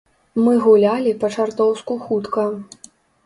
Мы гулялі па-чартоўску хутка.